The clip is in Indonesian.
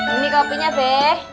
ini kopinya deh